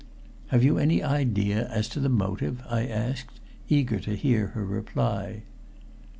"Have you any idea as to the motive?" I asked her, eager to hear her reply.